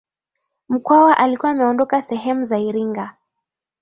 Mkwawa alikuwa ameondoka sehemu za Iringa